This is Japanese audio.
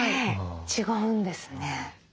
違うんですね。